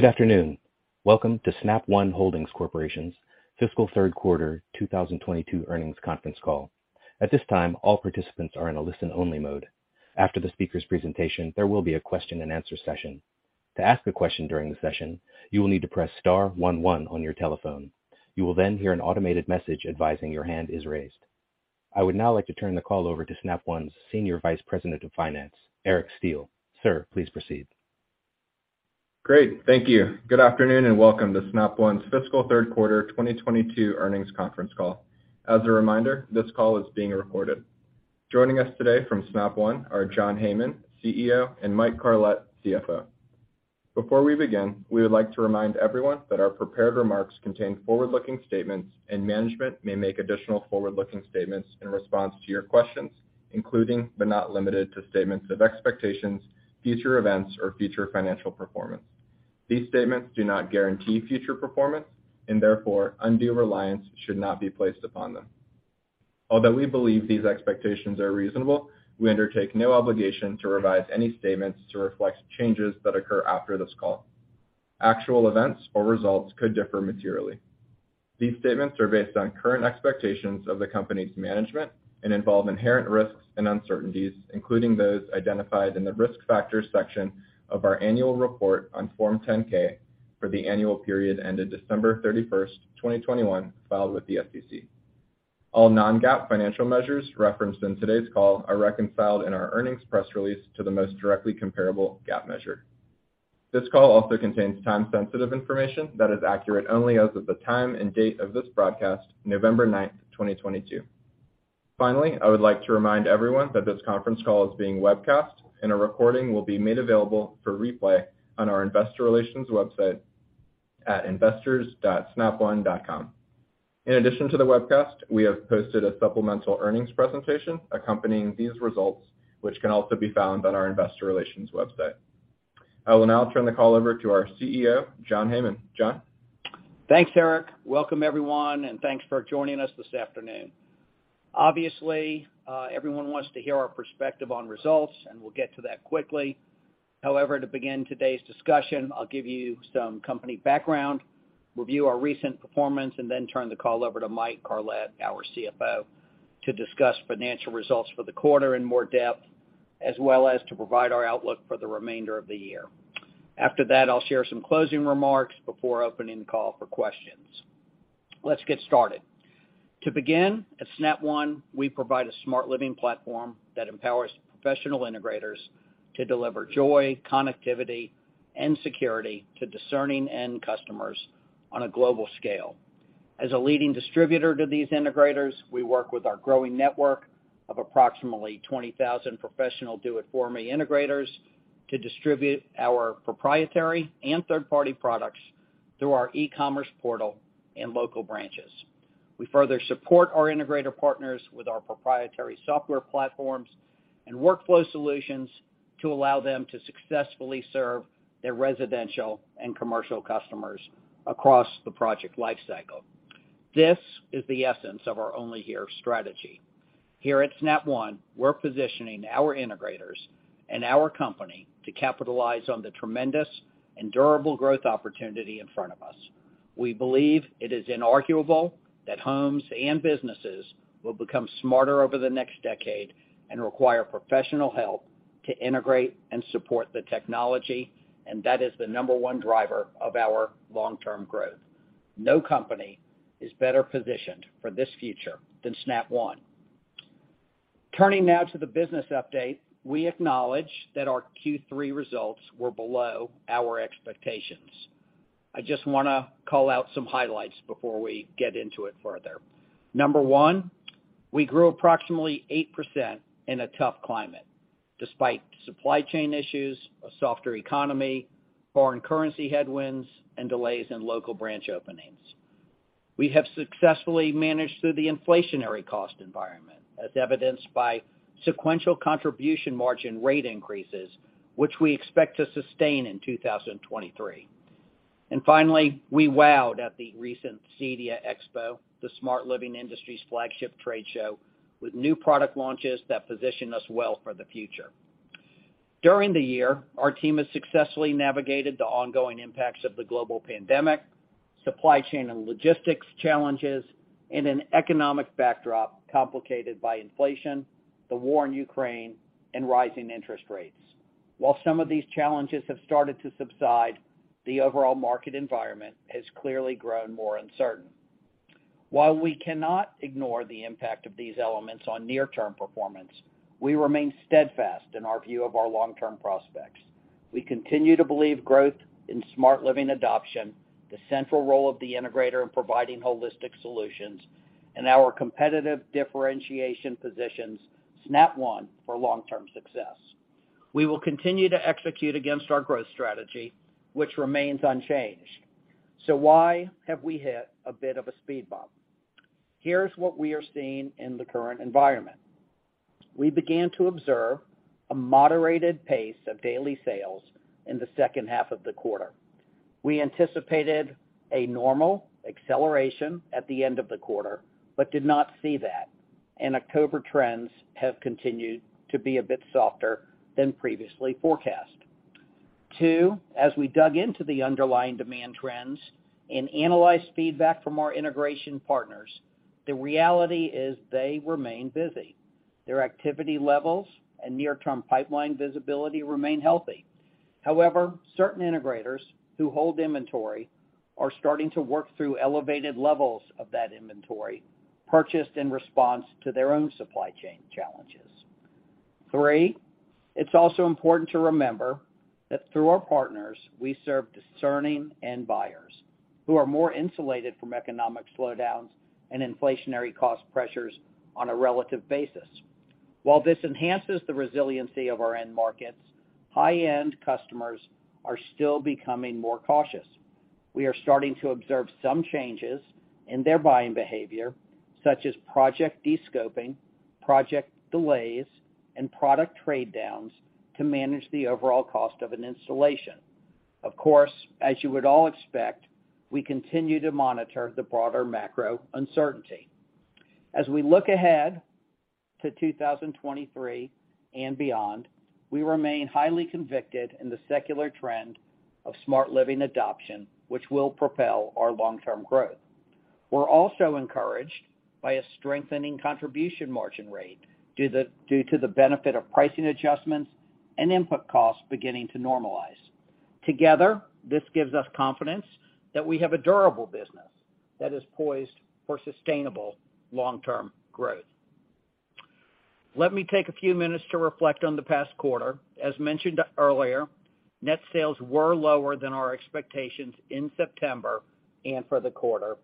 Good afternoon. Welcome to Snap One Holdings Corp.'s fiscal third quarter 2022 earnings conference call. At this time, all participants are in a listen-only mode. After the speaker's presentation, there will be a question-and-answer session. To ask a question during the session, you will need to press star one one on your telephone. You will then hear an automated message advising your hand is raised. I would now like to turn the call over to Snap One's Senior Vice President of Finance, Eric Steele. Sir, please proceed. Great. Thank you. Good afternoon, and welcome to Snap One's fiscal third quarter 2022 earnings conference call. As a reminder, this call is being recorded. Joining us today from Snap One are John Heyman, CEO, and Mike Carlet, CFO. Before we begin, we would like to remind everyone that our prepared remarks contain forward-looking statements and management may make additional forward-looking statements in response to your questions, including, but not limited to, statements of expectations, future events, or future financial performance. These statements do not guarantee future performance and therefore undue reliance should not be placed upon them. Although we believe these expectations are reasonable, we undertake no obligation to revise any statements to reflect changes that occur after this call. Actual events or results could differ materially. These statements are based on current expectations of the company's management and involve inherent risks and uncertainties, including those identified in the Risk Factors section of our annual report on Form 10-K for the annual period ended December 31st, 2021, filed with the SEC. All non-GAAP financial measures referenced in today's call are reconciled in our earnings press release to the most directly comparable GAAP measure. This call also contains time-sensitive information that is accurate only as of the time and date of this broadcast, November 9, 2022. Finally, I would like to remind everyone that this conference call is being webcast, and a recording will be made available for replay on our investor relations website at investors.snapone.com. In addition to the webcast, we have posted a supplemental earnings presentation accompanying these results, which can also be found on our investor relations website. I will now turn the call over to our CEO, John Heyman. John? Thanks, Eric. Welcome, everyone, and thanks for joining us this afternoon. Obviously, everyone wants to hear our perspective on results, and we'll get to that quickly. However, to begin today's discussion, I'll give you some company background, review our recent performance, and then turn the call over to Mike Carlet, our CFO, to discuss financial results for the quarter in more depth, as well as to provide our outlook for the remainder of the year. After that, I'll share some closing remarks before opening the call for questions. Let's get started. To begin, at Snap One, we provide a smart living platform that empowers professional integrators to deliver joy, connectivity, and security to discerning end customers on a global scale. As a leading distributor to these integrators, we work with our growing network of approximately 20,000 professional do it for me integrators to distribute our proprietary and third-party products through our e-commerce portal and local branches. We further support our integrator partners with our proprietary software platforms and workflow solutions to allow them to successfully serve their residential and commercial customers across the project life cycle. This is the essence of our OnlyHere strategy. Here at Snap One, we're positioning our integrators and our company to capitalize on the tremendous and durable growth opportunity in front of us. We believe it is inarguable that homes and businesses will become smarter over the next decade and require professional help to integrate and support the technology, and that is the number one driver of our long-term growth. No company is better positioned for this future than Snap One. Turning now to the business update. We acknowledge that our Q3 results were below our expectations. I just wanna call out some highlights before we get into it further. Number one, we grew approximately 8% in a tough climate despite supply chain issues, a softer economy, foreign currency headwinds, and delays in local branch openings. We have successfully managed through the inflationary cost environment as evidenced by sequential contribution margin rate increases, which we expect to sustain in 2023. Finally, we wowed at the recent CEDIA Expo, the smart living industry's flagship trade show, with new product launches that position us well for the future. During the year, our team has successfully navigated the ongoing impacts of the global pandemic, supply chain and logistics challenges, and an economic backdrop complicated by inflation, the war in Ukraine, and rising interest rates. While some of these challenges have started to subside, the overall market environment has clearly grown more uncertain. While we cannot ignore the impact of these elements on near-term performance, we remain steadfast in our view of our long-term prospects. We continue to believe growth in smart living adoption, the central role of the integrator in providing holistic solutions, and our competitive differentiation positions Snap One for long-term success. We will continue to execute against our growth strategy, which remains unchanged. So why have we hit a bit of a speed bump? Here's what we are seeing in the current environment. We began to observe a moderated pace of daily sales in the second half of the quarter. We anticipated a normal acceleration at the end of the quarter, but did not see that. October trends have continued to be a bit softer than previously forecast. Two, as we dug into the underlying demand trends and analyzed feedback from our integration partners, the reality is they remain busy. Their activity levels and near-term pipeline visibility remain healthy. However, certain integrators who hold inventory are starting to work through elevated levels of that inventory purchased in response to their own supply chain challenges. Three, it's also important to remember that through our partners, we serve discerning end buyers who are more insulated from economic slowdowns and inflationary cost pressures on a relative basis. While this enhances the resiliency of our end markets, high-end customers are still becoming more cautious. We are starting to observe some changes in their buying behavior, such as project descoping, project delays, and product trade-downs to manage the overall cost of an installation. Of course, as you would all expect, we continue to monitor the broader macro uncertainty. As we look ahead to 2023 and beyond, we remain highly convicted in the secular trend of smart living adoption, which will propel our long-term growth. We're also encouraged by a strengthening contribution margin rate due to the benefit of pricing adjustments and input costs beginning to normalize. Together, this gives us confidence that we have a durable business that is poised for sustainable long-term growth. Let me take a few minutes to reflect on the past quarter. As mentioned earlier, net sales were lower than our expectations in September and for the quarter,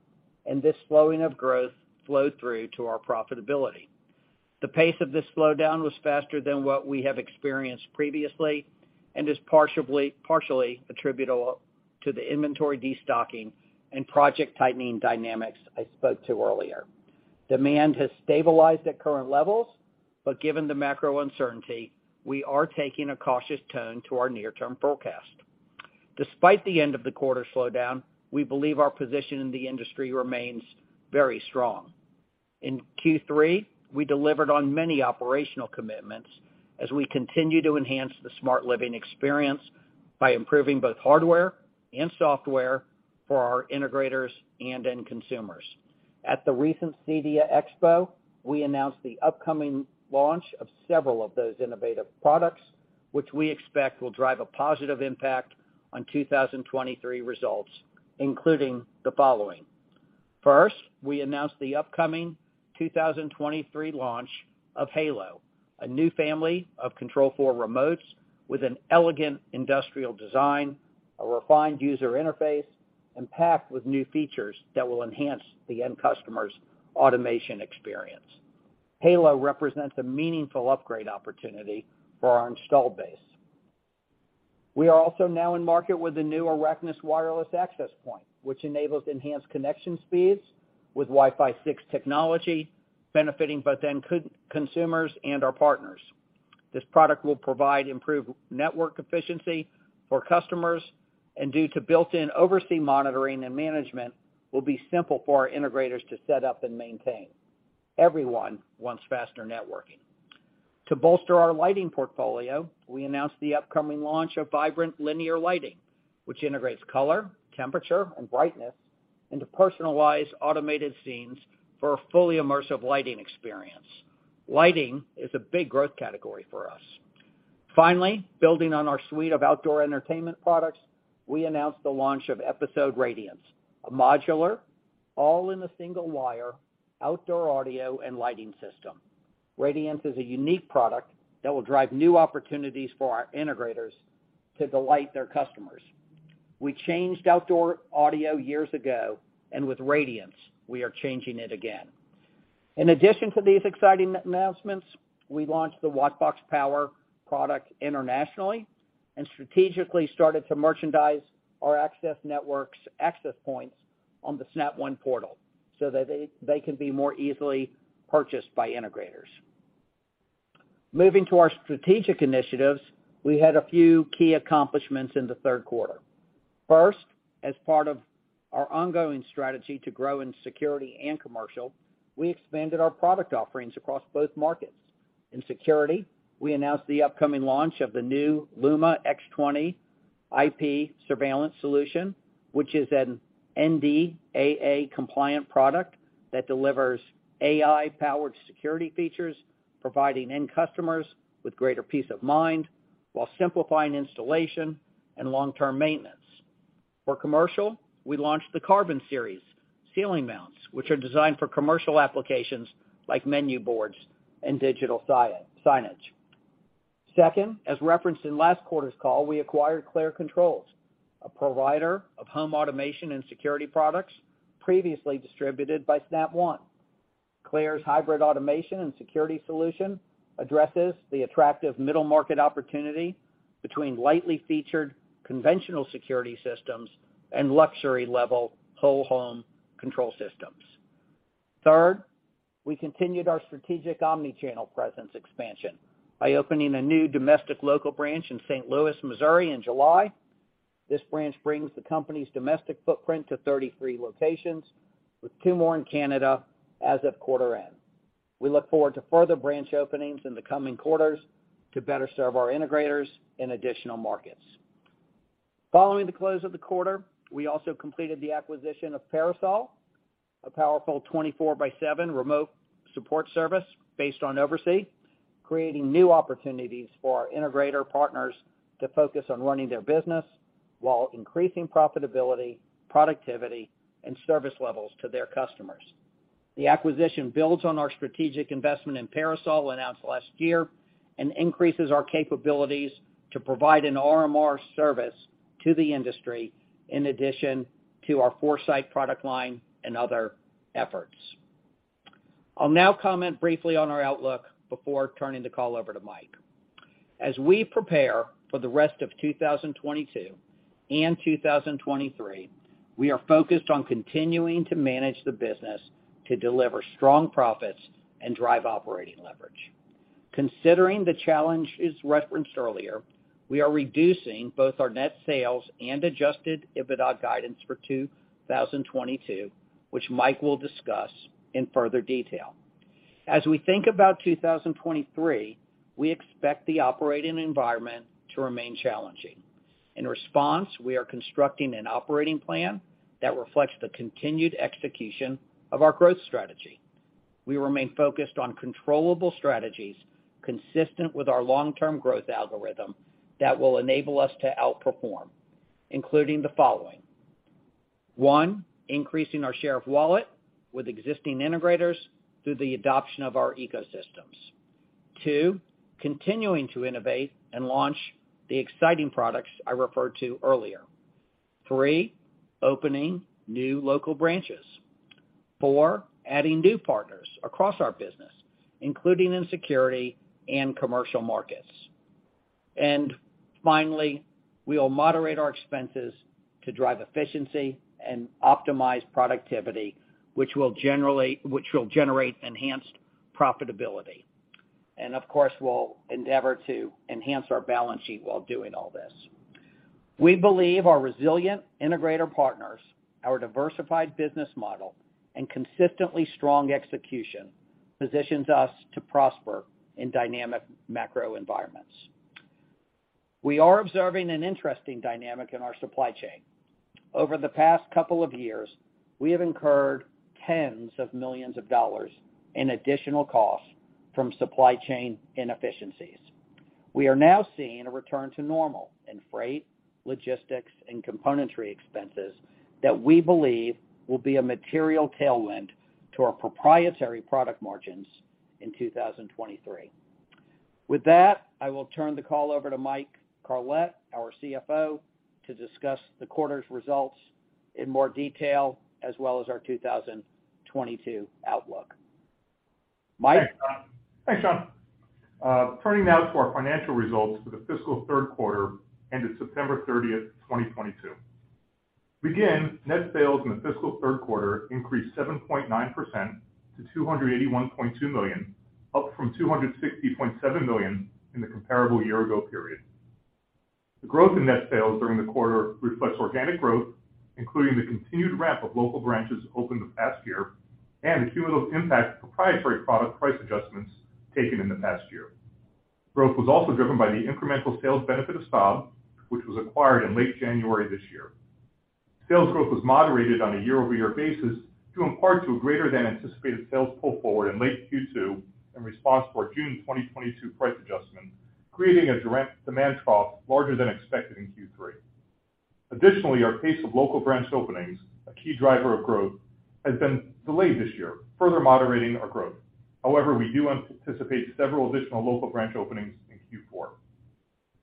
and this slowing of growth flowed through to our profitability. The pace of this slowdown was faster than what we have experienced previously and is partially attributable to the inventory destocking and project tightening dynamics I spoke to earlier. Demand has stabilized at current levels, but given the macro uncertainty, we are taking a cautious tone to our near-term forecast. Despite the end of the quarter slowdown, we believe our position in the industry remains very strong. In Q3, we delivered on many operational commitments as we continue to enhance the smart living experience by improving both hardware and software for our integrators and end consumers. At the recent CEDIA Expo, we announced the upcoming launch of several of those innovative products, which we expect will drive a positive impact on 2023 results, including the following. First, we announced the upcoming 2023 launch of Halo, a new family of Control4 remotes with an elegant industrial design, a refined user interface, and packed with new features that will enhance the end customer's automation experience. Halo represents a meaningful upgrade opportunity for our installed base. We are also now in market with the new Araknis wireless access point, which enables enhanced connection speeds with Wi-Fi 6 technology, benefiting both end consumers and our partners. This product will provide improved network efficiency for customers, and due to built-in OvrC monitoring and management, will be simple for our integrators to set up and maintain. Everyone wants faster networking. To bolster our lighting portfolio, we announced the upcoming launch of Vibrant linear lighting, which integrates color, temperature, and brightness into personalized automated scenes for a fully immersive lighting experience. Lighting is a big growth category for us. Finally, building on our suite of outdoor entertainment products, we announced the launch of Episode Radiance, a modular, all-in-one single-wire outdoor audio and lighting system. Radiance is a unique product that will drive new opportunities for our integrators to delight their customers. We changed outdoor audio years ago, and with Radiance, we are changing it again. In addition to these exciting announcements, we launched the WattBox Power product internationally and strategically started to merchandise our Access Networks' access points on the Snap One portal so that they can be more easily purchased by integrators. Moving to our strategic initiatives, we had a few key accomplishments in the third quarter. First, as part of our ongoing strategy to grow in security and commercial, we expanded our product offerings across both markets. In security, we announced the upcoming launch of the new Luma X20 IP surveillance solution, which is an NDAA-compliant product that delivers AI-powered security features, providing end customers with greater peace of mind while simplifying installation and long-term maintenance. For commercial, we launched the Carbon Series ceiling mounts, which are designed for commercial applications like menu boards and digital signage. Second, as referenced in last quarter's call, we acquired Clare Controls, a provider of home automation and security products previously distributed by Snap One. Clare's hybrid automation and security solution addresses the attractive middle market opportunity between lightly featured conventional security systems and luxury-level whole home control systems. Third, we continued our strategic omni-channel presence expansion by opening a new domestic local branch in St. Louis, Missouri in July. This branch brings the company's domestic footprint to 33 locations, with two more in Canada as of quarter end. We look forward to further branch openings in the coming quarters to better serve our integrators in additional markets. Following the close of the quarter, we also completed the acquisition of Parasol, a powerful 24/7 remote support service based on OvrC, creating new opportunities for our integrator partners to focus on running their business while increasing profitability, productivity, and service levels to their customers. The acquisition builds on our strategic investment in Parasol announced last year and increases our capabilities to provide an RMR service to the industry in addition to our 4Sight product line and other efforts. I'll now comment briefly on our outlook before turning the call over to Mike. As we prepare for the rest of 2022 and 2023, we are focused on continuing to manage the business to deliver strong profits and drive operating leverage. Considering the challenges referenced earlier, we are reducing both our net sales and adjusted EBITDA guidance for 2022, which Mike will discuss in further detail. As we think about 2023, we expect the operating environment to remain challenging. In response, we are constructing an operating plan that reflects the continued execution of our growth strategy. We remain focused on controllable strategies consistent with our long-term growth algorithm that will enable us to outperform, including the following. One, increasing our share of wallet with existing integrators through the adoption of our ecosystems. Two, continuing to innovate and launch the exciting products I referred to earlier. Three, opening new local branches. Four, adding new partners across our business, including in security and commercial markets. Finally, we will moderate our expenses to drive efficiency and optimize productivity, which will generate enhanced profitability. And of course, we'll endeavor to enhance our balance sheet while doing all this. We believe our resilient integrator partners, our diversified business model, and consistently strong execution positions us to prosper in dynamic macro environments. We are observing an interesting dynamic in our supply chain. Over the past couple of years, we have incurred tens of millions in additional costs from supply chain inefficiencies. We are now seeing a return to normal in freight, logistics, and componentry expenses that we believe will be a material tailwind to our proprietary product margins in 2023. With that, I will turn the call over to Mike Carlet, our CFO, to discuss the quarter's results in more detail as well as our 2022 outlook. Mike? Thanks, John. Turning now to our financial results for the fiscal third quarter ended September 30th, 2022. To begin, net sales in the fiscal third quarter increased 7.9% to $281.2 million, up from $260.7 million in the comparable year ago period. The growth in net sales during the quarter reflects organic growth, including the continued ramp of local branches opened the past year and the cumulative impact of proprietary product price adjustments taken in the past year. Growth was also driven by the incremental sales benefit of Staub, which was acquired in late January this year. Sales growth was moderated on a year-over-year basis due in part to a greater than anticipated sales pull forward in late Q2 in response to our June 2022 price adjustment, creating a direct demand trough larger than expected in Q3. Additionally, our pace of local branch openings, a key driver of growth, has been delayed this year, further moderating our growth. However, we do anticipate several additional local branch openings in Q4.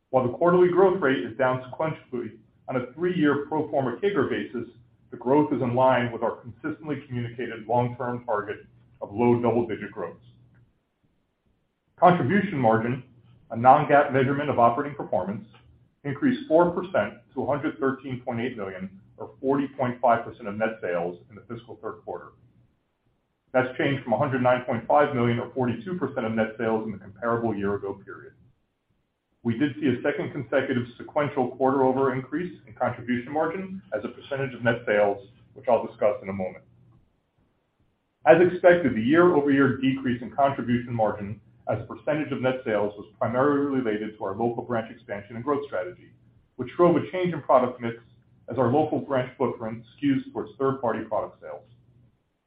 While the quarterly growth rate is down sequentially on a three-year pro forma CAGR basis, the growth is in line with our consistently communicated long-term target of low double-digit growth. Contribution margin, a non-GAAP measurement of operating performance, increased 4% to $113.8 million or 40.5% of net sales in the fiscal third quarter. That's changed from $109.5 million or 42% of net sales in the comparable year ago period. We did see a second consecutive sequential quarter-over-quarter increase in contribution margin as a percentage of net sales, which I'll discuss in a moment. As expected, the year-over-year decrease in contribution margin as a percentage of net sales was primarily related to our local branch expansion and growth strategy, which drove a change in product mix as our local branch footprint skews towards third-party product sales.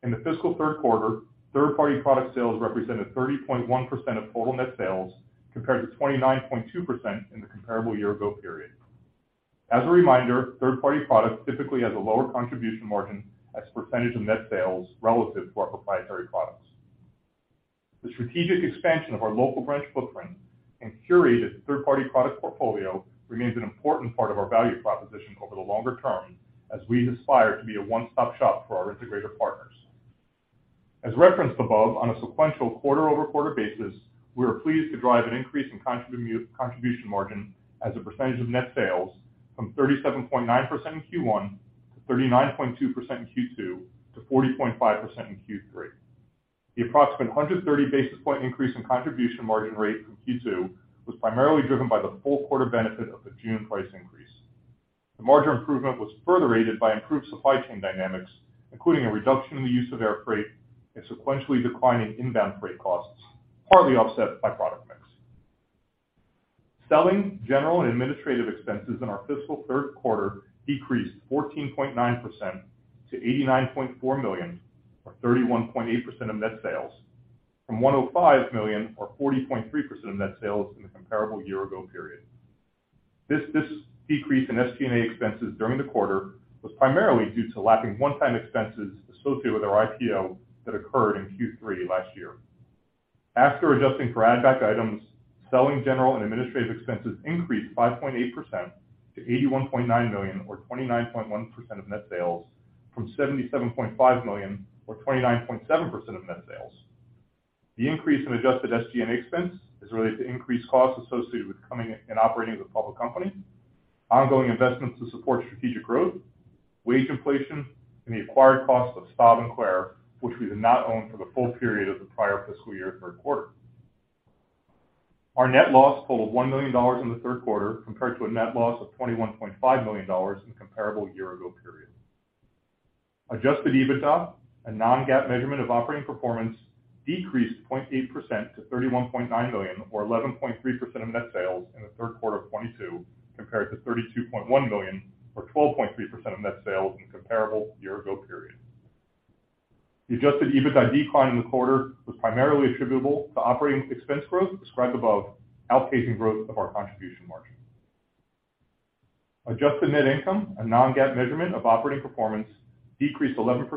In the fiscal third quarter, third-party product sales represented 30.1% of total net sales compared to 29.2% in the comparable year ago period. As a reminder, third-party product typically has a lower contribution margin as a percentage of net sales relative to our proprietary products. The strategic expansion of our local branch footprint and curated third-party product portfolio remains an important part of our value proposition over the longer term as we aspire to be a one-stop shop for our integrator partners. As referenced above, on a sequential quarter-over-quarter basis, we are pleased to drive an increase in contribution margin as a percentage of net sales from 37.9% in Q1 to 39.2% in Q2 to 40.5% in Q3. The approximate 130 basis points increase in contribution margin rate from Q2 was primarily driven by the full quarter benefit of the June price increase. The margin improvement was further aided by improved supply chain dynamics, including a reduction in the use of air freight and sequentially declining inbound freight costs, partly offset by product mix. Selling general and administrative expenses in our fiscal third quarter decreased 14.9% to $89.4 million, or 31.8% of net sales from $105 million or 40.3% of net sales in the comparable year ago period. This decrease in SG&A expenses during the quarter was primarily due to the lack of one-time expenses associated with our IPO that occurred in Q3 last year. After adjusting for add-back items, selling general and administrative expenses increased 5.8% to $81.9 million or 29.1% of net sales from $77.5 million or 29.7% of net sales. The increase in adjusted SG&A expense is related to increased costs associated with coming and operating as a public company, ongoing investments to support strategic growth, wage inflation, and the acquired cost of Staub and Clare, which we did not own for the full period of the prior fiscal year third quarter. Our net loss totaled $1 million in the third quarter compared to a net loss of $21.5 million in comparable year-ago period. Adjusted EBITDA, a non-GAAP measurement of operating performance, decreased 0.8% to $31.9 million or 11.3% of net sales in the third quarter of 2022, compared to $32.1 million or 12.3% of net sales in comparable year-ago period. The adjusted EBITDA decline in the quarter was primarily attributable to operating expense growth described above, outpacing growth of our contribution margin. Adjusted net income, a non-GAAP measurement of operating performance, decreased 11%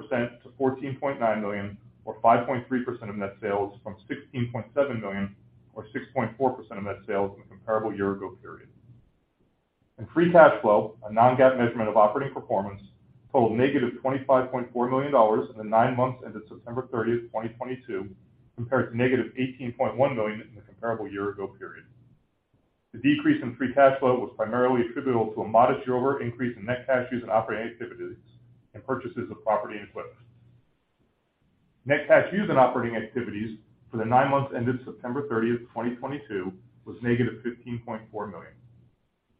to $14.9 million or 5.3% of net sales from $16.7 million or 6.4% of net sales in the comparable year ago period. Free cash flow, a non-GAAP measurement of operating performance, totaled -$25.4 million in the nine months ended September 30th, 2022, compared to -$18.1 million in the comparable year ago period. The decrease in free cash flow was primarily attributable to a modest year-over-year increase in net cash used in operating activities and purchases of property and equipment. Net cash used in operating activities for the nine months ended September 30th, 2022, was negative $15.4 million.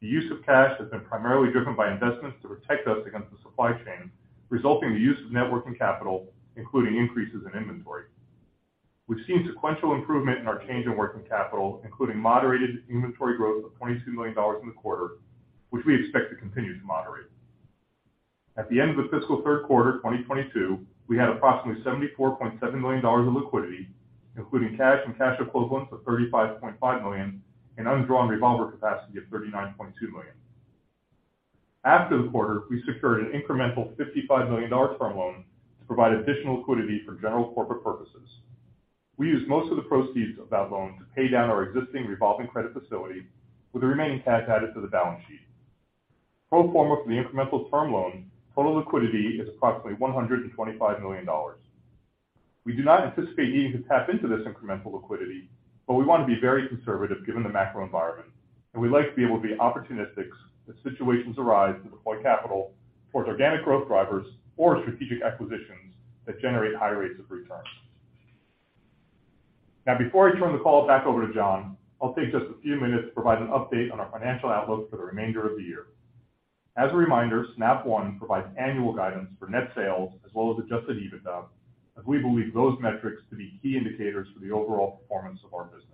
The use of cash has been primarily driven by investments to protect us against the supply chain, resulting in the use of net working capital, including increases in inventory. We've seen sequential improvement in our change in working capital, including moderated inventory growth of $22 million in the quarter, which we expect to continue to moderate. At the end of the fiscal third quarter 2022, we had approximately $74.7 million of liquidity, including cash and cash equivalents of $35.5 million and undrawn revolver capacity of $39.2 million. After the quarter, we secured an incremental $55 million term loan to provide additional liquidity for general corporate purposes. We used most of the proceeds of that loan to pay down our existing revolving credit facility with the remaining cash added to the balance sheet. Pro forma for the incremental term loan, total liquidity is approximately $125 million. We do not anticipate needing to tap into this incremental liquidity, but we want to be very conservative given the macro environment, and we'd like to be able to be opportunistic as situations arise to deploy capital towards organic growth drivers or strategic acquisitions that generate high rates of return. Now, before I turn the call back over to John, I'll take just a few minutes to provide an update on our financial outlook for the remainder of the year. As a reminder, Snap One provides annual guidance for net sales as well as adjusted EBITDA, as we believe those metrics to be key indicators for the overall performance of our business.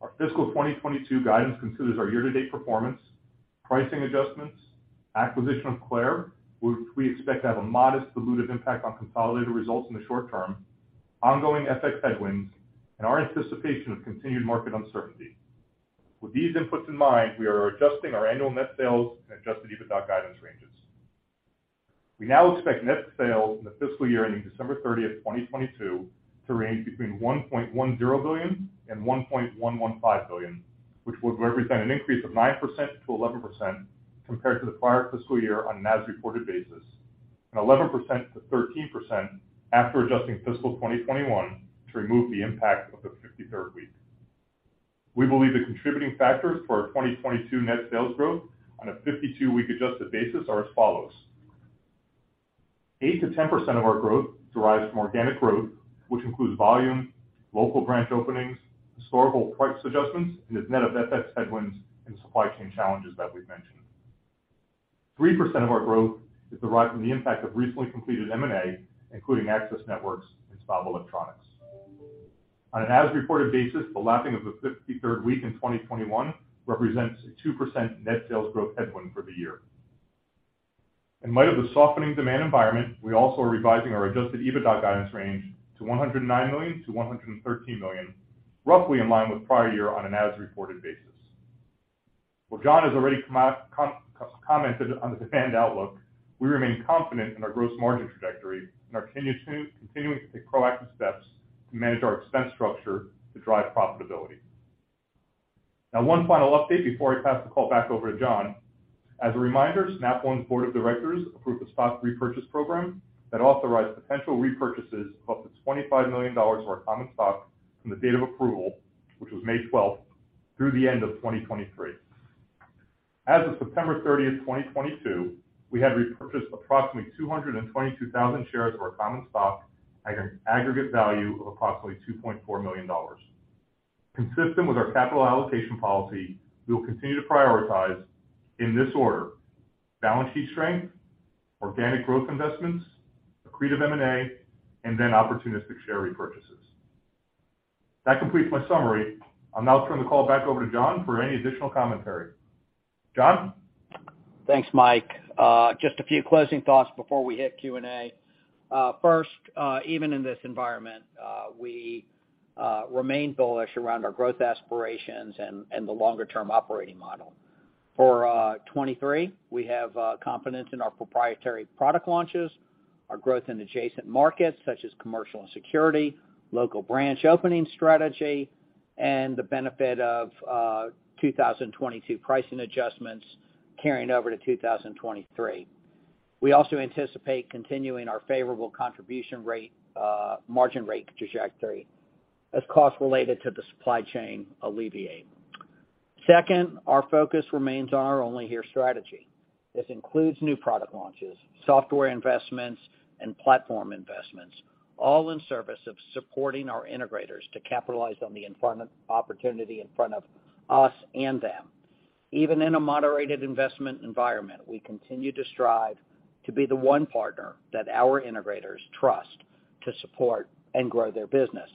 Our fiscal 2022 guidance considers our year-to-date performance, pricing adjustments, acquisition of Clare, which we expect to have a modest dilutive impact on consolidated results in the short term, ongoing FX headwinds, and our anticipation of continued market uncertainty. With these inputs in mind, we are adjusting our annual net sales and adjusted EBITDA guidance ranges. We now expect net sales in the fiscal year ending December 30th, 2022, to range between $1.10 billion and $1.115 billion, which would represent an increase of 9%-11% compared to the prior fiscal year on an as-reported basis, and 11%-13% after adjusting fiscal 2021 to remove the impact of the 53rd week. We believe the contributing factors for our 2022 net sales growth on a 52-week adjusted basis are as follows. 8%-10% of our growth derives from organic growth, which includes volume, local branch openings, historical price adjustments, and is net of FX headwinds and supply chain challenges that we've mentioned. 3% of our growth is derived from the impact of recently completed M&A, including Access Networks and Staub Electronics. On an as-reported basis, the lacking of the 53rd week in 2021 represents a 2% net sales growth headwind for the year. In light of the softening demand environment, we also are revising our adjusted EBITDA guidance range to $109 million-$113 million, roughly in line with prior year on an as-reported basis. While John has already commented on the demand outlook, we remain confident in our gross margin trajectory and are continuing to take proactive steps to manage our expense structure to drive profitability. Now one final update before I pass the call back over to John. As a reminder, Snap One's board of directors approved a stock repurchase program that authorized potential repurchases of up to $25 million of our common stock from the date of approval, which was May 12th, through the end of 2023. As of September 30th, 2022, we had repurchased approximately 222,000 shares of our common stock at an aggregate value of approximately $2.4 million. Consistent with our capital allocation policy, we will continue to prioritize, in this order, balance sheet strength, organic growth investments, accretive M&A, and then opportunistic share repurchases. That completes my summary. I'll now turn the call back over to John for any additional commentary. John? Thanks, Mike. Just a few closing thoughts before we hit Q&A. First, even in this environment, we remain bullish around our growth aspirations and the longer-term operating model. For 2023, we have confidence in our proprietary product launches, our growth in adjacent markets such as commercial and security, local branch opening strategy, and the benefit of 2022 pricing adjustments carrying over to 2023. We also anticipate continuing our favorable contribution rate, margin rate trajectory as costs related to the supply chain alleviate. Second, our focus remains on our OnlyHere strategy. This includes new product launches, software investments, and platform investments, all in service of supporting our integrators to capitalize on the environment, opportunity in front of us and them. Even in a moderated investment environment, we continue to strive to be the one partner that our integrators trust to support and grow their business.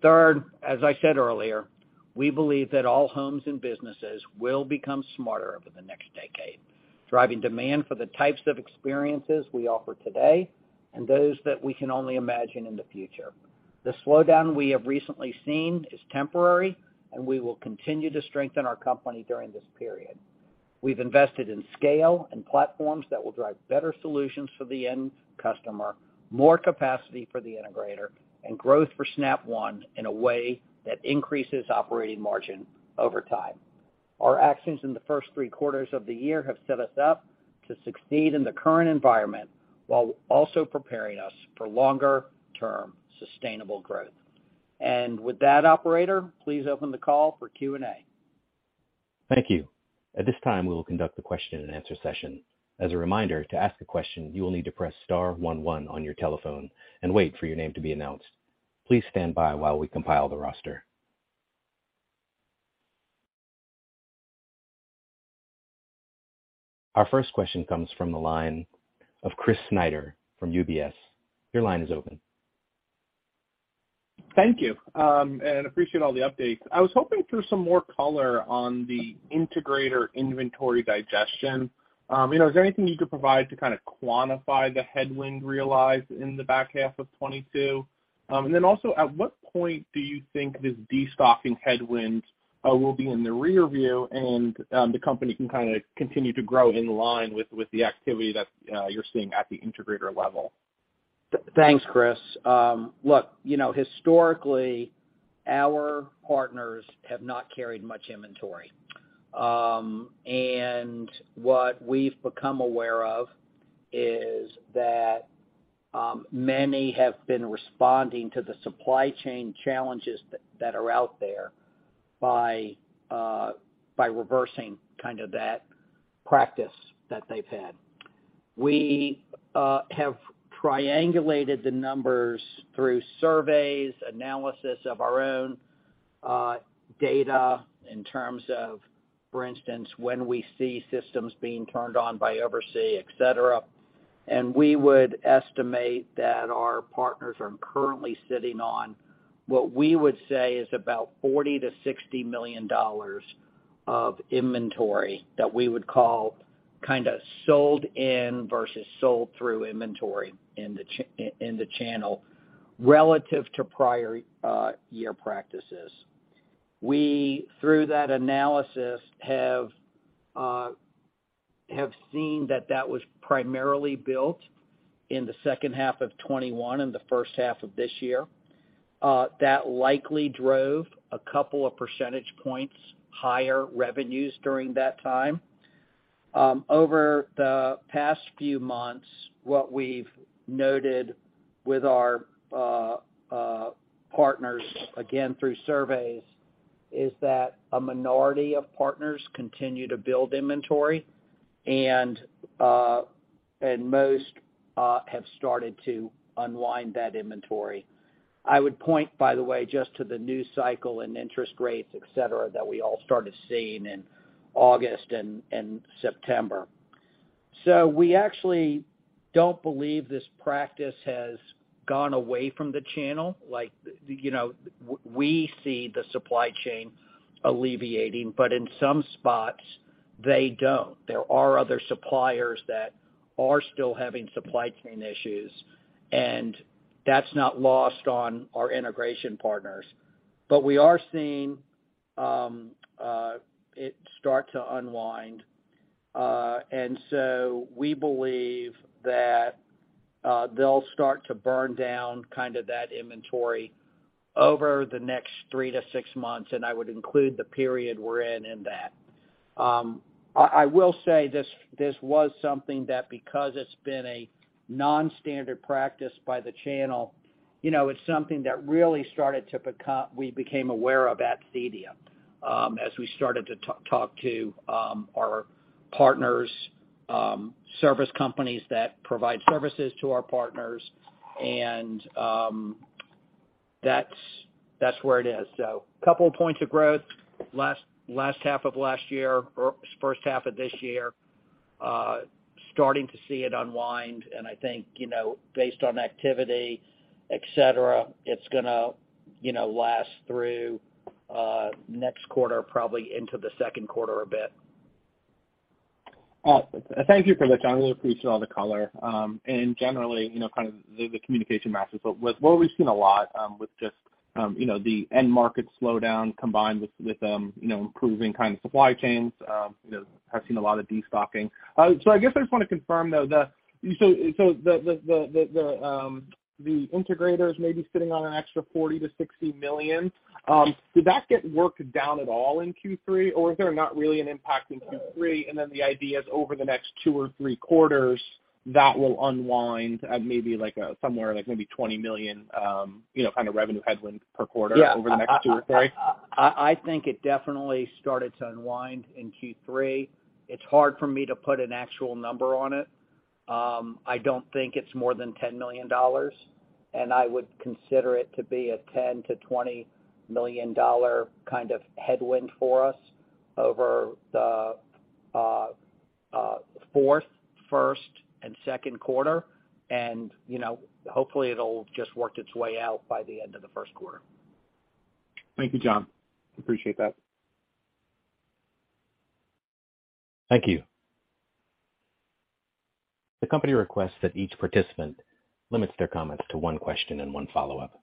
Third, as I said earlier, we believe that all homes and businesses will become smarter over the next decade, driving demand for the types of experiences we offer today and those that we can only imagine in the future. The slowdown we have recently seen is temporary, and we will continue to strengthen our company during this period. We've invested in scale and platforms that will drive better solutions for the end customer, more capacity for the integrator, and growth for Snap One in a way that increases operating margin over time. Our actions in the first three quarters of the year have set us up to succeed in the current environment while also preparing us for longer-term sustainable growth. And with that, operator, please open the call for Q&A. Thank you. At this time, we will conduct the question-and-answer session. As a reminder, to ask a question, you will need to press star one one on your telephone and wait for your name to be announced. Please stand by while we compile the roster. Our first question comes from the line of Chris Snyder from UBS. Your line is open. Thank you, and appreciate all the updates. I was hoping for some more color on the integrator inventory digestion. You know, is there anything you could provide to kind of quantify the headwind realized in the back half of 2022? Also at what point do you think this destocking headwind will be in the rearview and the company can kind of continue to grow in line with the activity that you're seeing at the integrator level? Thanks, Chris. Look, you know, historically, our partners have not carried much inventory. What we've become aware of is that many have been responding to the supply chain challenges that are out there by reversing kind of that practice that they've had. We have triangulated the numbers through surveys, analysis of our own data in terms of, for instance, when we see systems being turned on by OvrC, et cetera. We would estimate that our partners are currently sitting on what we would say is about $40 million-$60 million of inventory that we would call kind of sold in versus sold through inventory in the channel relative to prior year practices. We, through that analysis, have seen that that was primarily built in the second half of 2021 and the first half of this year. That likely drove a couple of percentage points higher revenues during that time. Over the past few months, what we've noted with our partners, again through surveys, is that a minority of partners continue to build inventory and most have started to unwind that inventory. I would point, by the way, just to the news cycle and interest rates, et cetera, that we all started seeing in August and September. We actually don't believe this practice has gone away from the channel. Like, you know, we see the supply chain alleviating, but in some spots they don't. There are other suppliers that are still having supply chain issues, and that's not lost on our integration partners. We are seeing it start to unwind. We believe that they'll start to burn down kind of that inventory over the next three-six months, and I would include the period we're in in that. I will say this was something that because it's been a non-standard practice by the channel. You know, it's something that really started to become. We became aware of at CEDIA, as we started to talk to our partners, service companies that provide services to our partners, and that's where it is. Couple of points of growth last half of last year or first half of this year, starting to see it unwind. I think, you know, based on activity, et cetera, it's gonna, you know, last through next quarter, probably into the second quarter a bit. Thank you for that, John. I really appreciate all the color. Generally, you know, kind of the communication matches. What we've seen a lot, with just, you know, the end market slowdown combined with, you know, improving kind of supply chains, you know, have seen a lot of destocking. I guess I just wanna confirm though the. The integrators may be sitting on an extra $40 million-$60 million. Did that get worked down at all in Q3, or is there not really an impact in Q3, and then the idea is over the next two or three quarters that will unwind at maybe like, somewhere like maybe $20 million, you know, kind of revenue headwind per quarter. Yeah. Over the next two or three? I think it definitely started to unwind in Q3. It's hard for me to put an actual number on it. I don't think it's more than $10 million, and I would consider it to be a $10 million-$20 million kind of headwind for us over the fourth, first and second quarter. You know, hopefully it'll just work its way out by the end of the first quarter. Thank you, John. Appreciate that. Thank you. The company requests that each participant limits their comments to one question and one follow-up.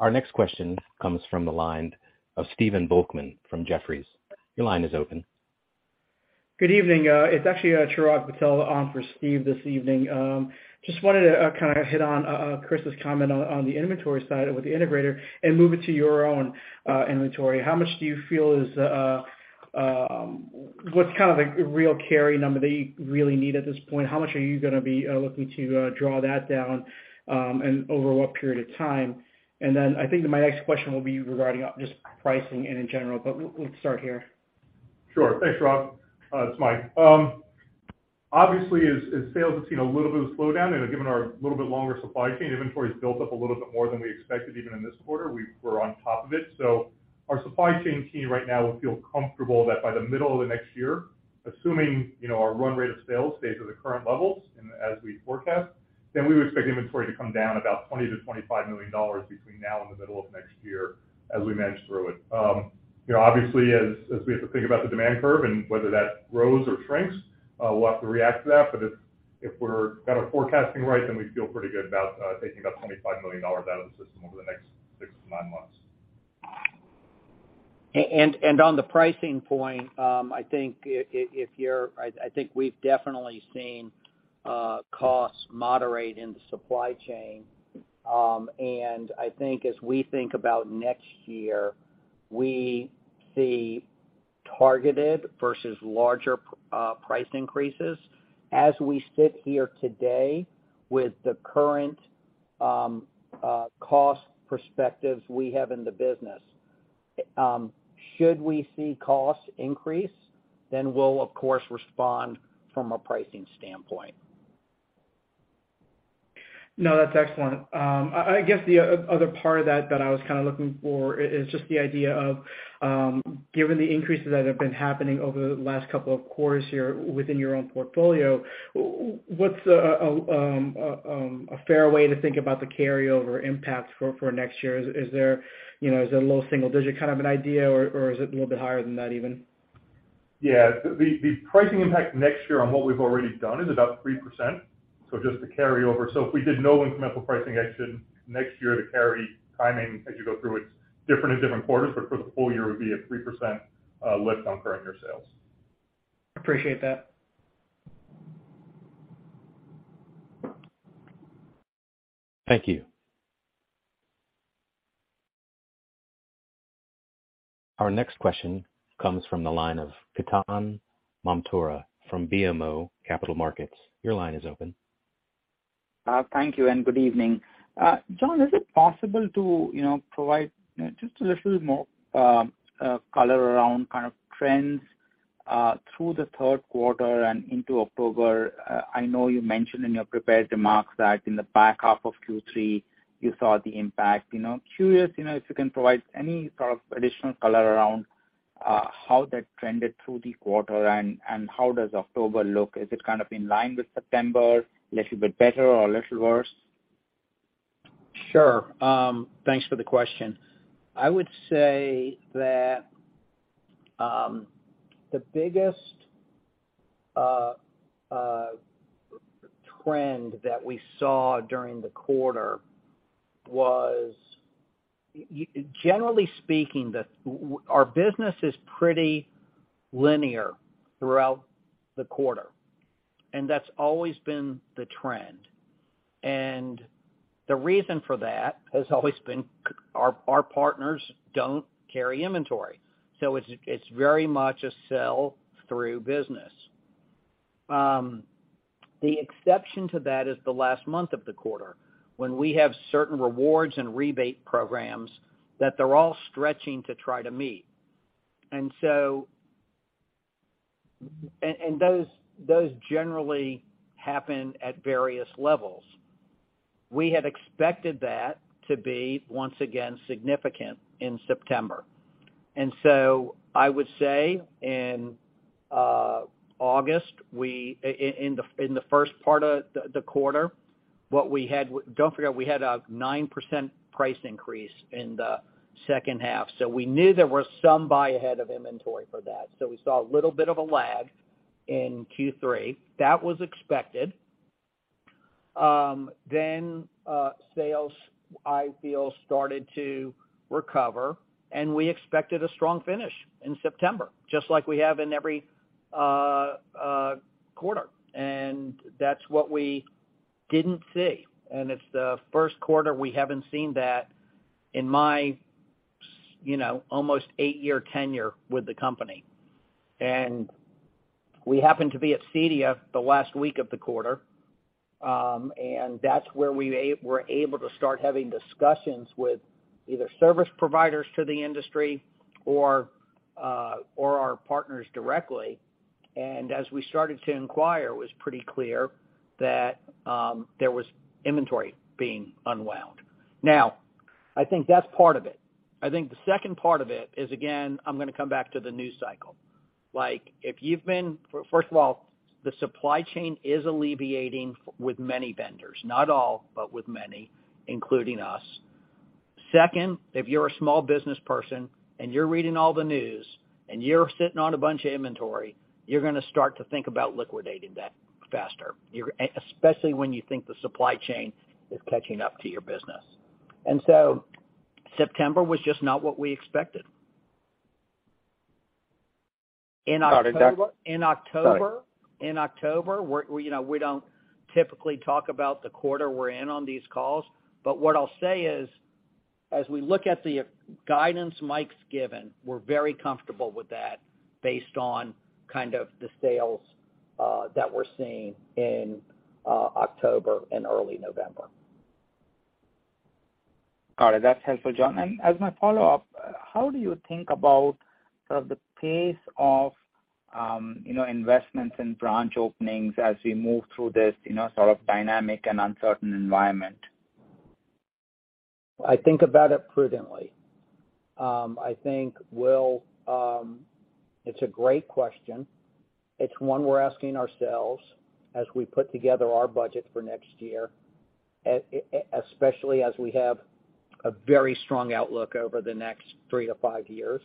Our next question comes from the line of Steven Volkmann from Jefferies. Your line is open. Good evening. It's actually Chirag Patel on for Steve this evening. Just wanted to kind of hit on Chris's comment on the inventory side with the integrator and move it to your own inventory. How much do you feel is what's kind of like real carry number that you really need at this point? How much are you gonna be looking to draw that down and over what period of time? Then I think my next question will be regarding just pricing and in general, but we'll start here. Sure. Thanks, Chirag. It's Mike. Obviously, as sales has seen a little bit of slowdown and given our little bit longer supply chain, inventory's built up a little bit more than we expected even in this quarter. We're on top of it. Our supply chain team right now will feel comfortable that by the middle of next year, assuming you know our run rate of sales stays at the current levels and as we forecast, then we would expect inventory to come down about $20 million-$25 million between now and the middle of next year as we manage through it. You know, obviously, as we have to think about the demand curve and whether that grows or shrinks, we'll have to react to that. If we're kind of forecasting right, then we feel pretty good about taking about $25 million out of the system over the next six to nine months. On the pricing point, I think we've definitely seen costs moderate in the supply chain. I think as we think about next year, we see targeted versus larger price increases as we sit here today with the current cost perspectives we have in the business. Should we see costs increase, then we'll of course respond from a pricing standpoint. No, that's excellent. I guess the other part of that that I was kind of looking for is just the idea of, given the increases that have been happening over the last couple of quarters here within your own portfolio, what's a fair way to think about the carryover impacts for next year? Is there, you know, a low single digit kind of an idea, or is it a little bit higher than that even? Yeah. The pricing impact next year on what we've already done is about 3%, so just the carryover. If we did no incremental pricing action next year, the carry timing as you go through it, different in different quarters, but for the full year, it would be a 3% lift on current year sales. Appreciate that. Thank you. Our next question comes from the line of Ketan Mamtora from BMO Capital Markets. Your line is open. Thank you, and good evening. John, is it possible to, you know, provide just a little more color around kind of trends through the third quarter and into October? I know you mentioned in your prepared remarks that in the back half of Q3 you saw the impact. You know, curious, you know, if you can provide any sort of additional color around how that trended through the quarter and how does October look? Is it kind of in line with September? A little bit better or a little worse? Sure. Thanks for the question. I would say that the biggest trend that we saw during the quarter was generally speaking, our business is pretty linear throughout the quarter, and that's always been the trend. The reason for that has always been our partners don't carry inventory, so it's very much a sell-through business. The exception to that is the last month of the quarter when we have certain rewards and rebate programs that they're all stretching to try to meet. Those generally happen at various levels. We had expected that to be, once again, significant in September. And so i would say in August, in the first part of the quarter, what we had. Don't forget we had a 9% price increase in the second half, so we knew there were some buy-ahead of inventory for that. We saw a little bit of a lag in Q3. That was expected. Sales, I feel, started to recover and we expected a strong finish in September, just like we have in every quarter. That's what we didn't see. It's the first quarter we haven't seen that in my, you know, almost eight-year tenure with the company. We happened to be at CEDIA the last week of the quarter, and that's where we were able to start having discussions with either service providers to the industry or our partners directly. And as we started to inquire, it was pretty clear that there was inventory being unwound. Now, I think that's part of it. I think the second part of it is, again, I'm gonna come back to the news cycle. Like, First of all, the supply chain is alleviating with many vendors, not all, but with many, including us. Second, if you're a small business person and you're reading all the news and you're sitting on a bunch of inventory, you're gonna start to think about liquidating that faster, especially when you think the supply chain is catching up to your business. September was just not what we expected. Got it. In October. Sorry. In October, we're, you know, we don't typically talk about the quarter we're in on these calls, but what I'll say is, as we look at the guidance Mike's given, we're very comfortable with that based on kind of the sales that we're seeing in October and early November. Got it. That's helpful, John. As my follow-up, how do you think about sort of the pace of, you know, investments in branch openings as we move through this, you know, sort of dynamic and uncertain environment? I think about it prudently. It's a great question. It's one we're asking ourselves as we put together our budget for next year, especially as we have a very strong outlook over the next three-five years.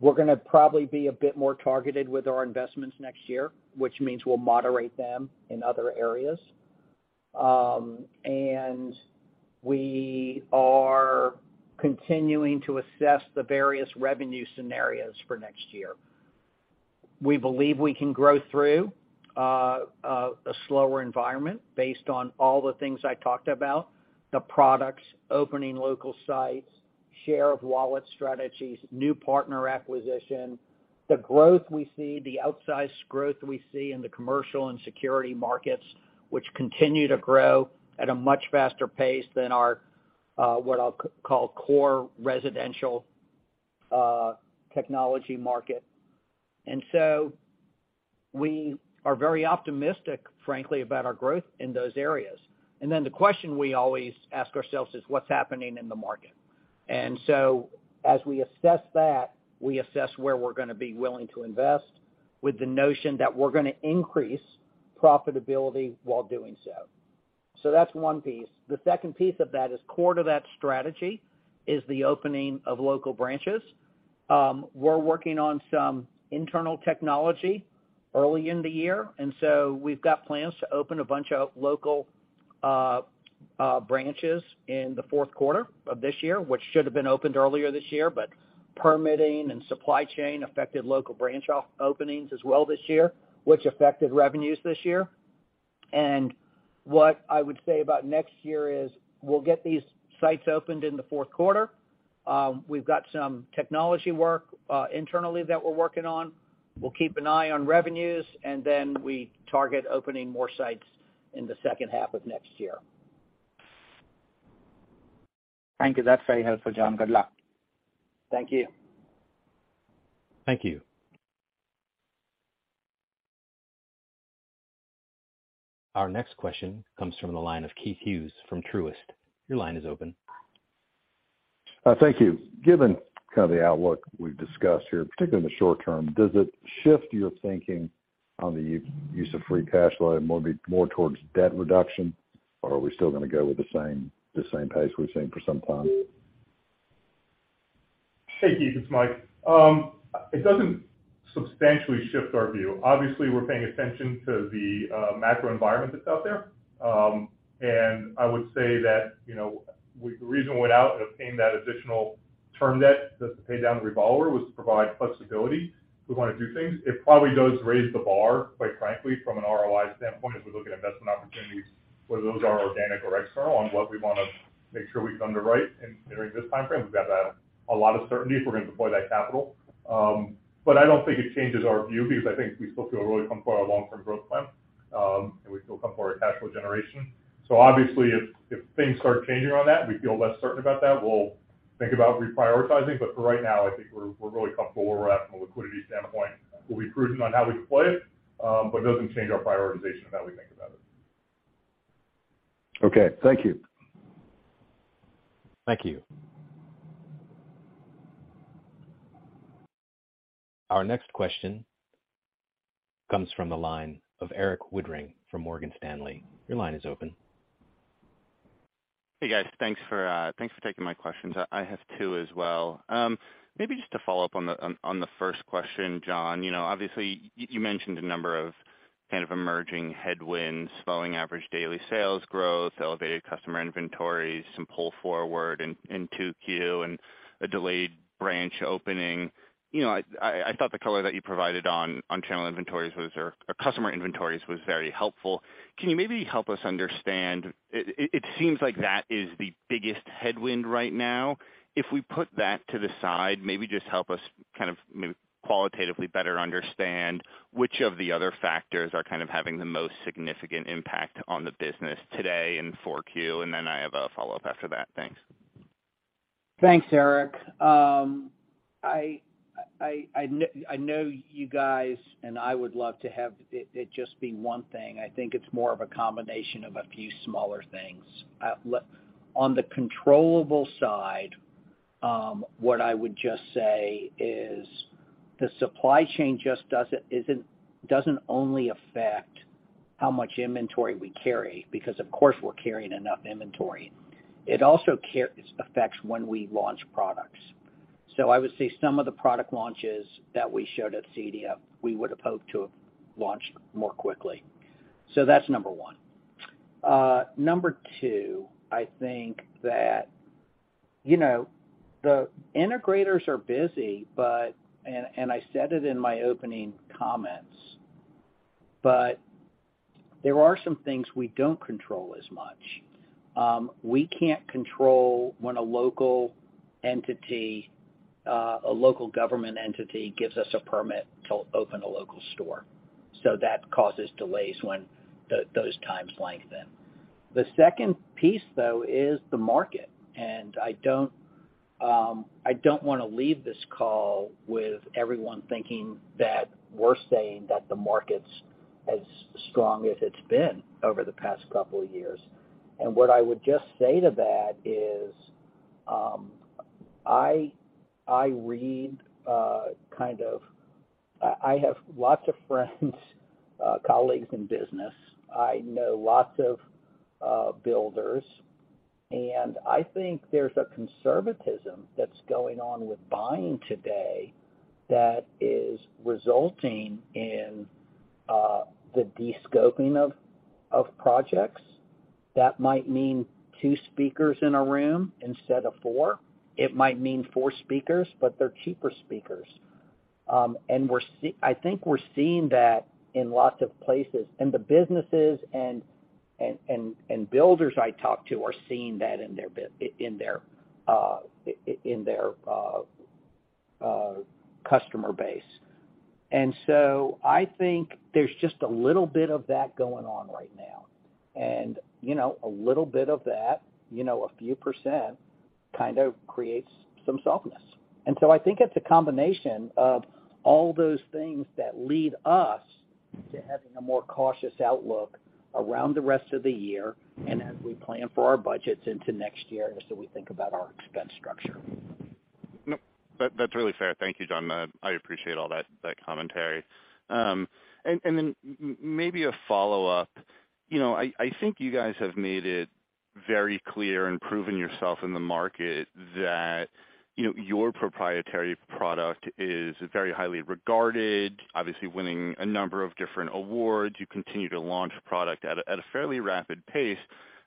We're gonna probably be a bit more targeted with our investments next year, which means we'll moderate them in other areas. We are continuing to assess the various revenue scenarios for next year. We believe we can grow through a slower environment based on all the things I talked about, the products, opening local sites, share of wallet strategies, new partner acquisition, the growth we see, the outsized growth we see in the commercial and security markets, which continue to grow at a much faster pace than our what I'll call core residential technology market. And so we are very optimistic, frankly, about our growth in those areas. The question we always ask ourselves is, what's happening in the market? And so as we assess that, we assess where we're gonna be willing to invest with the notion that we're gonna increase profitability while doing so. That's one piece. The second piece of that is core to that strategy is the opening of local branches. We're working on some internal technology early in the year, and we've got plans to open a bunch of local branches in the fourth quarter of this year, which should have been opened earlier this year, but permitting and supply chain affected local branch openings as well this year, which affected revenues this year. What I would say about next year is we'll get these sites opened in the fourth quarter. We've got some technology work internally that we're working on. We'll keep an eye on revenues, and then we target opening more sites in the second half of next year. Thank you. That's very helpful, John. Good luck. Thank you. Thank you. Our next question comes from the line of Keith Hughes from Truist. Your line is open. Thank you. Given kind of the outlook we've discussed here, particularly in the short term, does it shift your thinking on the use of free cash flow more towards debt reduction? Or are we still gonna go with the same pace we've seen for some time? Hey, Keith, it's Mike. It doesn't substantially shift our view. Obviously, we're paying attention to the macro environment that's out there. I would say that, you know, the reason we went out and obtained that additional term debt just to pay down the revolver was to provide flexibility. We wanna do things. It probably does raise the bar, quite frankly, from an ROI standpoint as we look at investment opportunities, whether those are organic or external, on what we wanna make sure we underwrite. During this time frame, we've got a lot of certainty if we're gonna deploy that capital. I don't think it changes our view because I think we still feel really comfortable with our long-term growth plan, and we feel comfortable with our cash flow generation. Obviously, if things start changing on that, we feel less certain about that, we'll think about reprioritizing. For right now, I think we're really comfortable where we're at from a liquidity standpoint. We'll be prudent on how we deploy it, but it doesn't change our prioritization and how we think about it. Okay, thank you. Thank you. Our next question comes from the line of Erik Woodring from Morgan Stanley. Your line is open. Hey, guys. Thanks for taking my questions. I have two as well. Maybe just to follow up on the first question, John. You know, obviously you mentioned a number of kind of emerging headwinds, slowing average daily sales growth, elevated customer inventories, some pull forward in 2Q, and a delayed branch opening. You know, I thought the color that you provided on channel inventories or customer inventories was very helpful. Can you maybe help us understand. It seems like that is the biggest headwind right now. If we put that to the side, maybe just help us kind of qualitatively better understand which of the other factors are kind of having the most significant impact on the business today and 4Q, and then I have a follow-up after that. Thanks. Thanks, Erik. I know you guys and I would love to have it just be one thing. I think it's more of a combination of a few smaller things. On the controllable side, what I would just say is the supply chain just doesn't only affect how much inventory we carry because of course we're carrying enough inventory. It also affects when we launch products. So I would say some of the product launches that we showed at CEDIA, we would have hoped to have launched more quickly. So that's number one. Number two, I think that, you know, the integrators are busy, but I said it in my opening comments, but there are some things we don't control as much. We can't control when a local entity, a local government entity gives us a permit to open a local store. That causes delays when those times lengthen. The second piece, though, is the market, and I don't wanna leave this call with everyone thinking that we're saying that the market's as strong as it's been over the past couple of years. What I would just say to that is, I have lots of friends, colleagues in business. I know lots of builders. I think there's a conservatism that's going on with buying today that is resulting in the descoping of projects. That might mean two speakers in a room instead of four. It might mean four speakers, but they're cheaper speakers. I think we're seeing that in lots of places. The businesses and builders I talk to are seeing that in their customer base. I think there's just a little bit of that going on right now. You know, a little bit of that, you know, a few% kind of creates some softness. I think it's a combination of all those things that lead us to having a more cautious outlook around the rest of the year and as we plan for our budgets into next year, and as we think about our expense structure. No, that's really fair. Thank you, John. I appreciate all that commentary. Maybe a follow-up. You know, I think you guys have made it very clear and proven yourself in the market that, you know, your proprietary product is very highly regarded, obviously winning a number of different awards. You continue to launch product at a fairly rapid pace.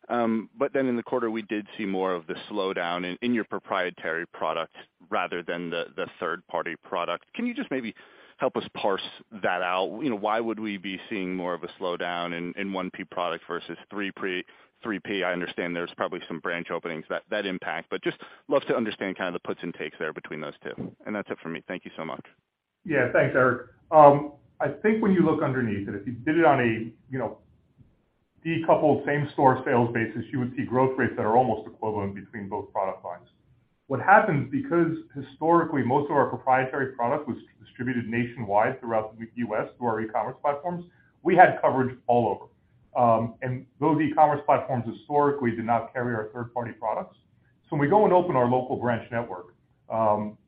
In the quarter, we did see more of the slowdown in your proprietary product rather than the third-party product. Can you just maybe help us parse that out? You know, why would we be seeing more of a slowdown in 1P product versus 3P? I understand there's probably some branch openings that impact, but love to understand kind of the puts and takes there between those two. That's it for me. Thank you so much. Yeah. Thanks, Erik. I think when you look underneath it, if you did it on a, you know, decoupled same-store sales basis, you would see growth rates that are almost equivalent between both product lines. What happens because historically, most of our proprietary product was distributed nationwide throughout the U.S. through our e-commerce platforms, we had coverage all over. Those e-commerce platforms historically did not carry our third-party products. When we go and open our local branch network,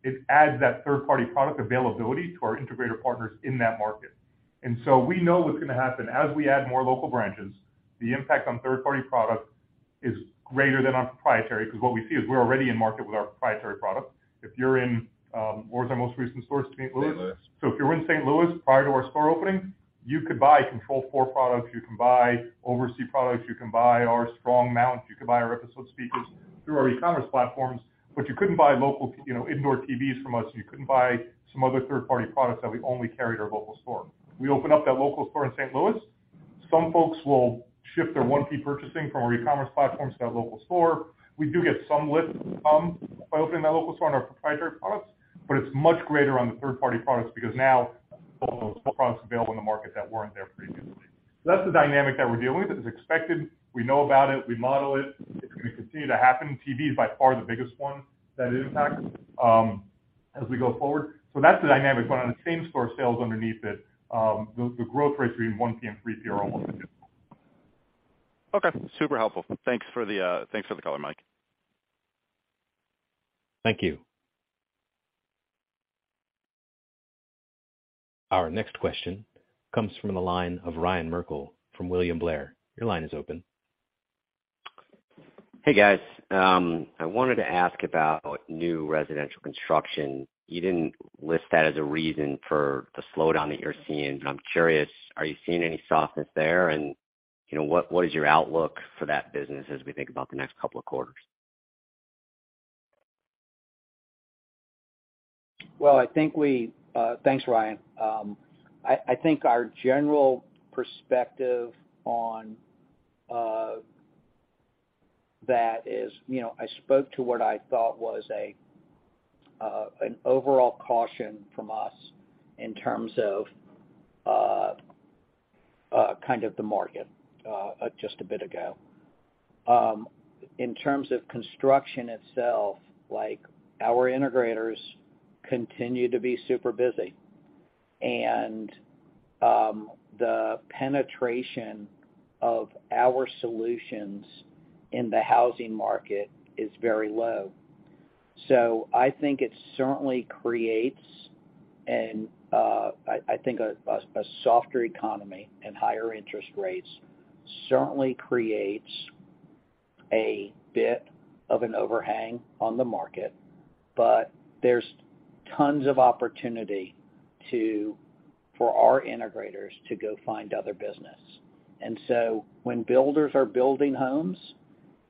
it adds that third-party product availability to our integrator partners in that market. We know what's gonna happen. As we add more local branches, the impact on third-party products is greater than our proprietary, 'cause what we see is we're already in market with our proprietary product. If you're in, where's our most recent store, St. Louis? St. Louis. If you're in St. Louis, prior to our store opening, you could buy Control4 products, you can buy OvrC products, you can buy our Strong mount, you could buy our Episode speakers through our e-commerce platforms, but you couldn't buy local, you know, indoor TVs from us. You couldn't buy some other third-party products that we only carry at our local store. We open up that local store in St. Louis, some folks will shift their 1P purchasing from our e-commerce platforms to that local store. We do get some lift by opening that local store on our proprietary products, but it's much greater on the third-party products because now those products are available in the market that weren't there previously. That's the dynamic that we're dealing with. It's expected, we know about it, we model it. It's gonna continue to happen. TV is by far the biggest one that it impacts, as we go forward. That's the dynamic, but on the same-store sales underneath it, the growth rates between 1P and 3P are almost the same. Okay. Super helpful. Thanks for the color, Mike. Thank you. Our next question comes from the line of Ryan Merkel from William Blair. Your line is open. Hey, guys. I wanted to ask about new residential construction. You didn't list that as a reason for the slowdown that you're seeing, but I'm curious, are you seeing any softness there? You know, what is your outlook for that business as we think about the next couple of quarters? Well, thanks, Ryan. I think our general perspective on that is, you know, I spoke to what I thought was an overall caution from us in terms of kind of the market just a bit ago. In terms of construction itself, like, our integrators continue to be super busy, and the penetration of our solutions in the housing market is very low. So i think it certainly creates, and I think a softer economy and higher interest rates certainly creates a bit of an overhang on the market, but there's tons of opportunity for our integrators to go find other business. When builders are building homes,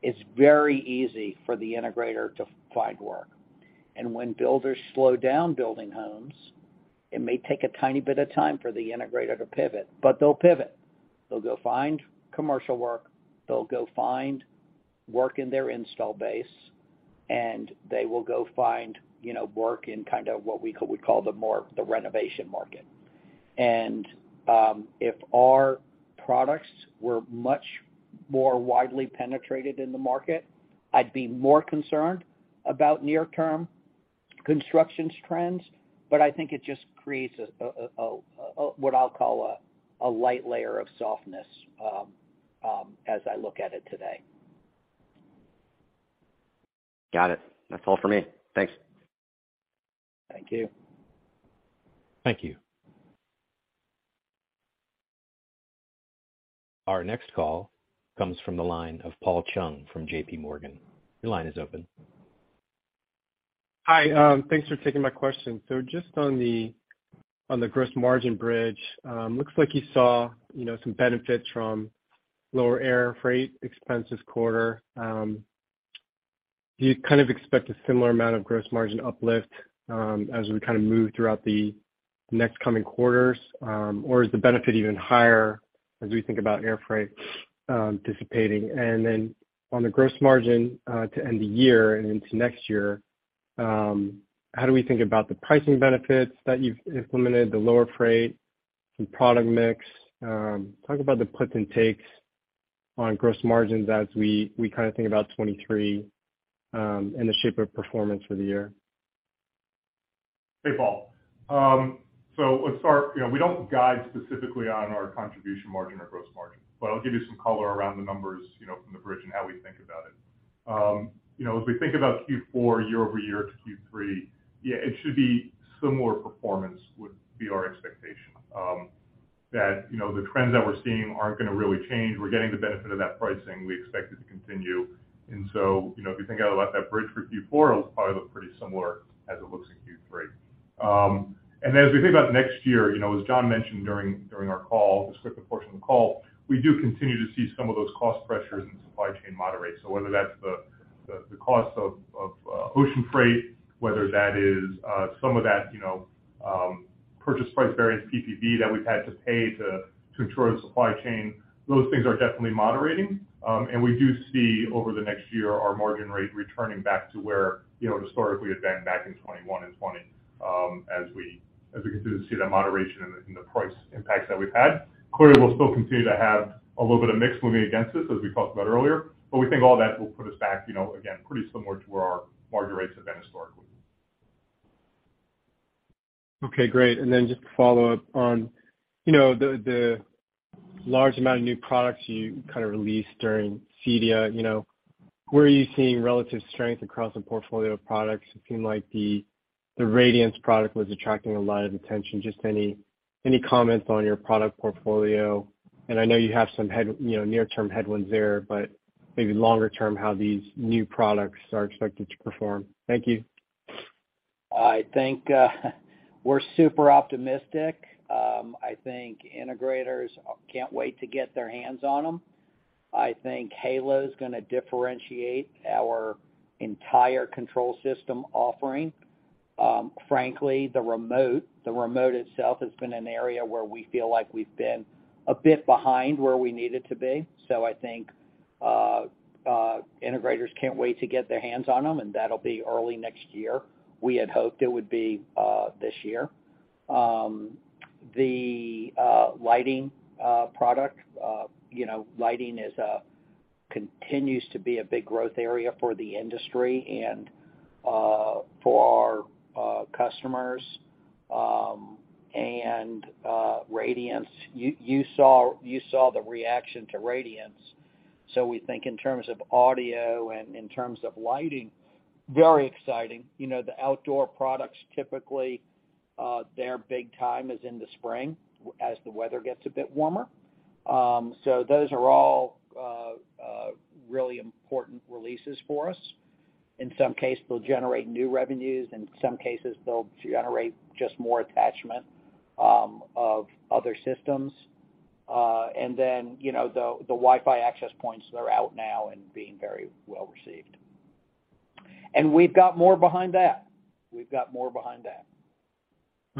it's very easy for the integrator to find work. And when builders slow down building homes, it may take a tiny bit of time for the integrator to pivot, but they'll pivot. They'll go find commercial work, they'll go find work in their install base, and they will go find, you know, work in kind of what we call the more renovation market. If our products were much more widely penetrated in the market, I'd be more concerned about near-term construction trends, but I think it just creates a what I'll call a light layer of softness as I look at it today. Got it. That's all for me. Thanks. Thank you. Thank you. Our next call comes from the line of Paul Chung from J.P. Morgan. Your line is open. Hi. Thanks for taking my question. Just on the gross margin bridge, looks like you saw, you know, some benefit from lower air freight expense this quarter. Do you kind of expect a similar amount of gross margin uplift, as we kind of move throughout the next coming quarters? Or is the benefit even higher as we think about air freight dissipating? On the gross margin to end the year and into next year, how do we think about the pricing benefits that you've implemented, the lower freight, some product mix? Talk about the puts and takes on gross margins as we kinda think about 2023, and the shape of performance for the year. Hey, Paul. Let's start. You know, we don't guide specifically on our contribution margin or gross margin, but I'll give you some color around the numbers, you know, from the bridge and how we think about it. You know, as we think about Q4 year-over-year to Q3, yeah, it should be similar performance would be our expectation. That, you know, the trends that we're seeing aren't gonna really change. We're getting the benefit of that pricing. We expect it to continue. You know, if you think about that bridge for Q4, it'll probably look pretty similar as it looks in Q3. As we think about next year, you know, as John mentioned during our call, the scripted portion of the call, we do continue to see some of those cost pressures in supply chain moderate. Whether that's the cost of ocean freight, whether that is some of that, you know, purchase price variance, PPV, that we've had to pay to ensure the supply chain, those things are definitely moderating. We do see over the next year our margin rate returning back to where, you know, historically it had been back in 2021 and 2020, as we continue to see that moderation in the price impacts that we've had. Clearly, we'll still continue to have a little bit of mix moving against us as we talked about earlier, but we think all that will put us back, you know, again, pretty similar to where our margin rates have been historically. Okay, great. Just to follow up on, you know, the large amount of new products you kind of released during CEDIA, you know. Where are you seeing relative strength across the portfolio of products? It seemed like the Radiance product was attracting a lot of attention. Just any comments on your product portfolio, and I know you have some near-term headwinds there, you know, but maybe longer term, how these new products are expected to perform. Thank you. I think, we're super optimistic. I think integrators can't wait to get their hands on them. I think Halo is gonna differentiate our entire control system offering. Frankly, the remote itself has been an area where we feel like we've been a bit behind where we needed to be. I think integrators can't wait to get their hands on them, and that'll be early next year. We had hoped it would be this year. The lighting product, you know, lighting continues to be a big growth area for the industry and for our customers, and Radiance, you saw the reaction to Radiance. We think in terms of audio and in terms of lighting, very exciting. You know, the outdoor products, typically, their big time is in the spring, as the weather gets a bit warmer. Those are all really important releases for us. In some cases, they'll generate new revenues, in some cases they'll generate just more attachment of other systems. You know, the Wi-Fi access points, they're out now and being very well-received. We've got more behind that. We've got more behind that.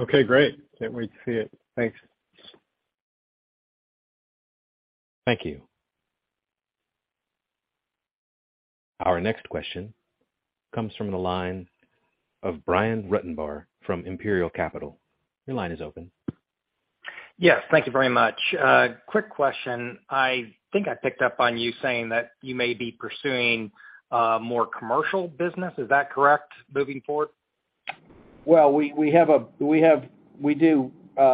Okay, great. Can't wait to see it. Thanks. Thank you. Our next question comes from the line of Brian Ruttenbur from Imperial Capital. Your line is open. Yes. Thank you very much. Quick question. I think I picked up on you saying that you may be pursuing more commercial business. Is that correct, moving forward? Well, we have,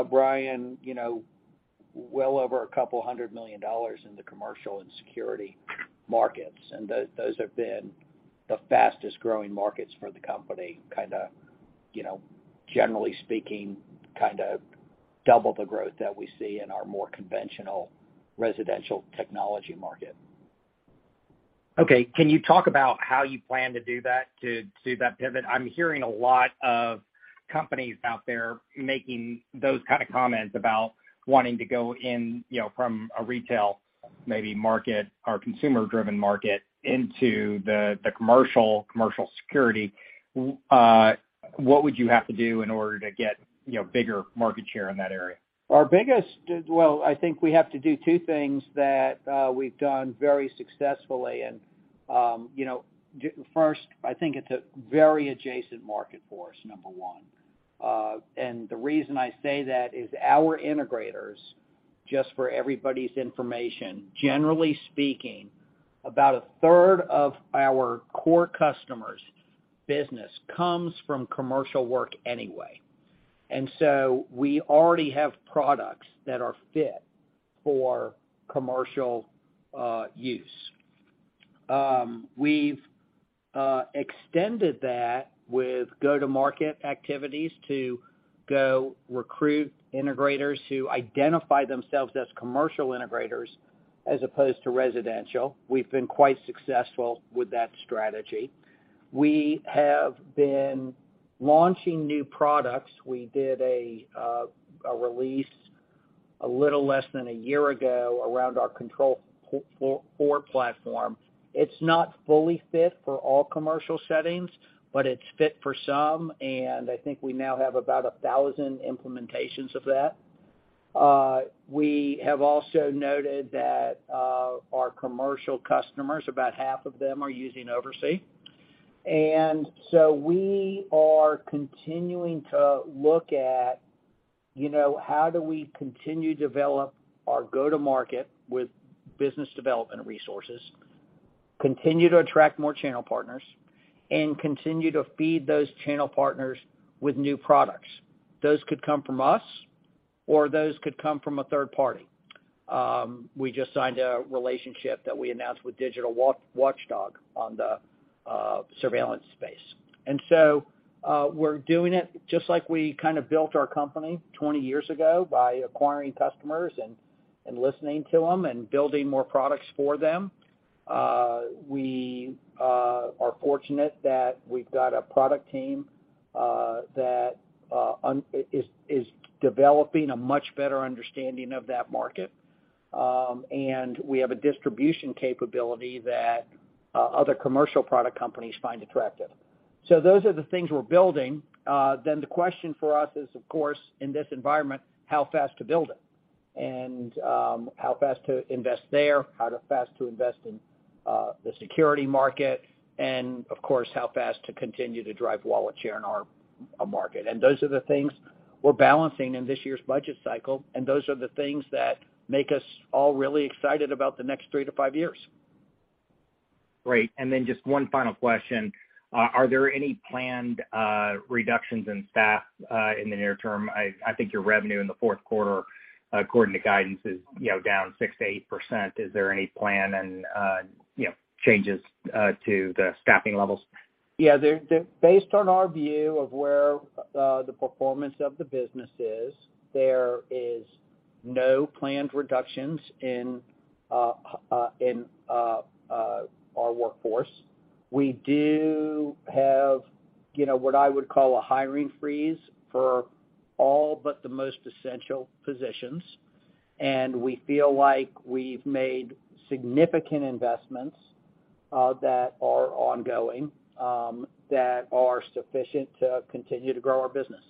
Brian, you know, well over $200 million in the commercial and security markets, and those have been the fastest-growing markets for the company, kind of, you know, generally speaking, kind of double the growth that we see in our more conventional residential technology market. Okay. Can you talk about how you plan to do that, to that pivot? I'm hearing a lot of companies out there making those kind of comments about wanting to go in, you know, from a retail maybe market or consumer-driven market into the commercial security. What would you have to do in order to get, you know, bigger market share in that area? Our biggest, well, I think we have to do two things that we've done very successfully and, you know, first, I think it's a very adjacent market for us, number one. The reason I say that is our integrators, just for everybody's information, generally speaking, about a third of our core customers' business comes from commercial work anyway. We already have products that are fit for commercial use. We've extended that with go-to-market activities to go recruit integrators who identify themselves as commercial integrators as opposed to residential. We've been quite successful with that strategy. We have been launching new products. We did a release a little less than a year ago around our Control4 platform. It's not fully fit for all commercial settings, but it's fit for some, and I think we now have about 1,000 implementations of that. We have also noted that, our commercial customers, about half of them are using OvrC. We are continuing to look at, you know, how do we continue to develop our go-to-market with business development resources, continue to attract more channel partners, and continue to feed those channel partners with new products. Those could come from us, or those could come from a third party. We just signed a relationship that we announced with Digital Watchdog on the surveillance space. We're doing it just like we kind of built our company 20 years ago by acquiring customers and listening to them and building more products for them. We are fortunate that we've got a product team that is developing a much better understanding of that market. We have a distribution capability that other commercial product companies find attractive. Those are the things we're building. The question for us is, of course, in this environment, how fast to build it? How fast to invest there, how fast to invest in the security market, and of course, how fast to continue to drive wallet share in our market. Those are the things we're balancing in this year's budget cycle, and those are the things that make us all really excited about the next three to five years. Great. Just one final question. Are there any planned reductions in staff in the near term? I think your revenue in the fourth quarter, according to guidance, is, you know, down 6%-8%. Is there any plan and, you know, changes to the staffing levels? Yeah. Based on our view of where the performance of the business is, there is no planned reductions in our workforce. We do have, you know, what I would call a hiring freeze for all but the most essential positions, and we feel like we've made significant investments that are ongoing that are sufficient to continue to grow our business.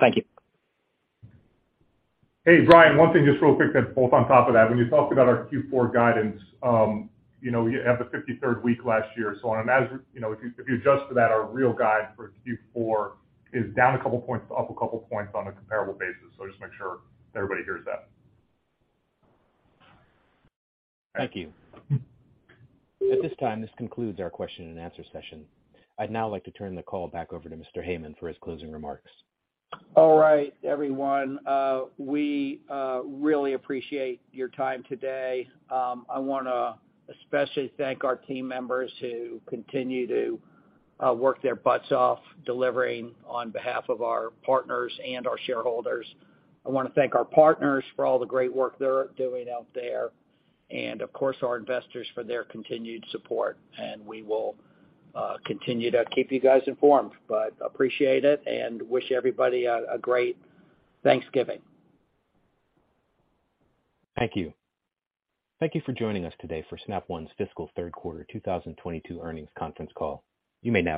Thank you. Hey, Brian, one thing just real quick that's both on top of that. When you talked about our Q4 guidance, you know, we have the 53rd week last year. On average, you know, if you adjust for that, our real guide for Q4 is down a couple points, up a couple points on a comparable basis. Just make sure everybody hears that. Thank you. At this time, this concludes our question-and-answer session. I'd now like to turn the call back over to Mr. Heyman for his closing remarks. All right, everyone. We really appreciate your time today. I wanna especially thank our team members who continue to work their butts off, delivering on behalf of our partners and our shareholders. I wanna thank our partners for all the great work they're doing out there, and of course, our investors for their continued support. We will continue to keep you guys informed. Appreciate it, and wish everybody a great Thanksgiving. Thank you. Thank you for joining us today for Snap One's fiscal third quarter 2022 earnings conference call. You may now.